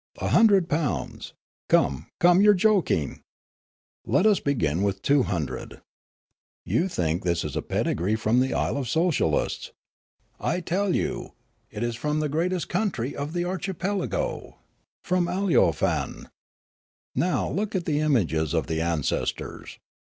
A hundred pounds! Come, come, you are jok ing. Let us begin with two hundred. You think this Foolgar 233 is a pedigree from the isle of socialists. I tell you it is from the greatest country in the archipelago, from Aleofane. Now look at the images of the ancestors.